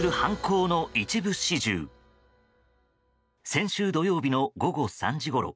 先週土曜日の午後３時ごろ。